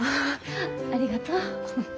ありがとう。